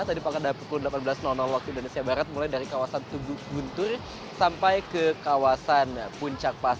tadi pada pukul delapan belas waktu indonesia barat mulai dari kawasan guntur sampai ke kawasan puncak pas